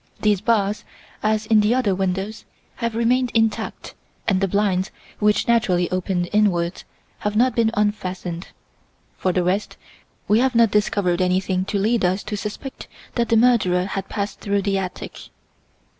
These bars, as in the other windows, have remained intact, and the blinds, which naturally open inwards, have not been unfastened. For the rest, we have not discovered anything to lead us to suspect that the murderer had passed through the attic."